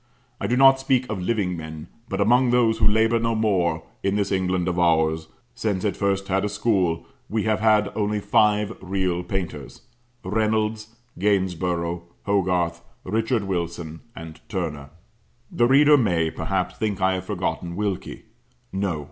I do not speak of living men; but among those who labour no more, in this England of ours, since it first had a school, we have had only five real painters; Reynolds, Gainsborough, Hogarth, Richard Wilson, and Turner. The reader may, perhaps, think I have forgotten Wilkie. No.